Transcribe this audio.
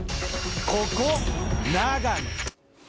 ここ長野。